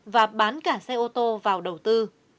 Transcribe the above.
và bán cả xe ô tô vào đầu tư